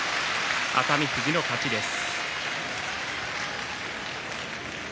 熱海富士の勝ちです。